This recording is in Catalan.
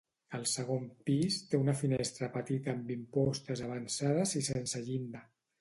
El segon pis té una finestra petita amb impostes avançades i sense llinda.